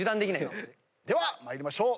では参りましょう。